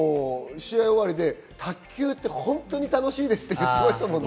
卓球って本当に楽しいですって言ってましたもんね。